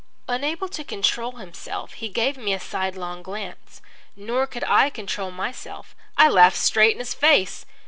Unable to control himself, he gave me a sidelong glance. Nor could I control myself. I laughed straight in his face.